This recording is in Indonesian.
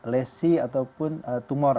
lesi ataupun tumor